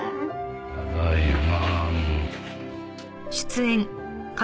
ただいま。